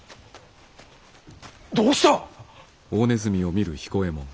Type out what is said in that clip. どうした！？